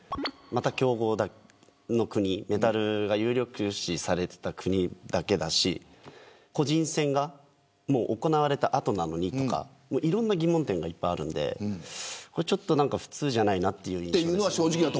また強豪の国メダルが有力視されていた国だけだし個人戦がもう行われた後なのにとかいろんな疑問点がたくさんあるのでちょっと普通じゃないなという印象です。